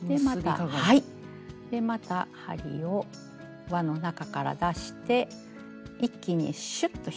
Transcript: でまた針を輪の中から出して一気にシュッと引っ張ります。